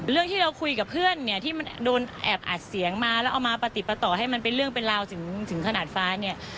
เรื่องที่เราคุยกับเพื่อนเนี่ยที่มันโดนแอบอัดเสียงมาแล้วเอามาประติดประต่อให้มันเป็นเรื่องเป็นราวถึงขนาดฟ้าเนี่ย